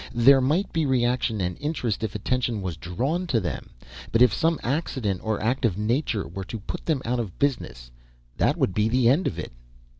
There might be reaction and interest if attention was drawn to them. But if some accident or act of nature were to put them out of business, that would be the end of it."